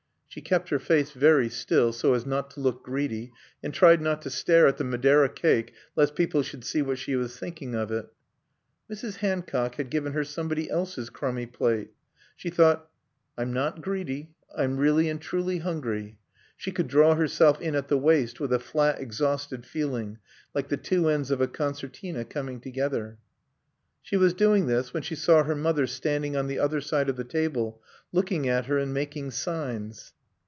She kept her face very still, so as not to look greedy, and tried not to stare at the Madeira cake lest people should see she was thinking of it. Mrs. Hancock had given her somebody else's crumby plate. She thought: I'm not greedy. I'm really and truly hungry. She could draw herself in at the waist with a flat, exhausted feeling, like the two ends of a concertina coming together. She was doing this when she saw her mother standing on the other side of the table, looking at her and making signs.